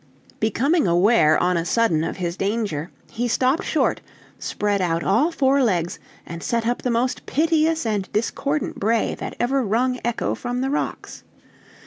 Becoming aware on a sudden of his danger, he stopped short, spread out all four legs, and set up the most piteous and discordant bray that ever wrung echo from the rocks.